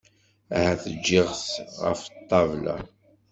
Ahat ǧǧiɣ-t ɣef ṭṭabla.